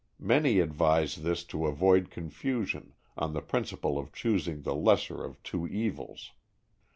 Many advise this to avoid confusion, on the principle of choosing the lesser of two evils.